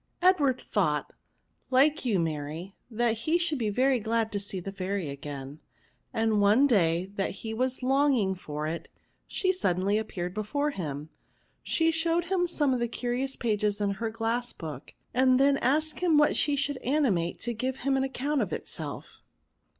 it Edward thought^ like you Mary, that he should be very glad to see the fairy again ; and one day that he was longing for it^ she sud denly appeared before him. She showed him some of the curious pages of her glass book, and then asked him what she should animate to give an account of itself."